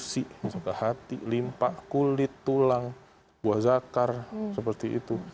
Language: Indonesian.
bisa ke otak bisa ke gusi bisa ke hati limpa kulit tulang buah zakar seperti itu